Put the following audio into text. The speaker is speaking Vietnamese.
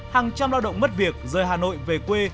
hàng trăm lao động mất việc rời hà nội về quê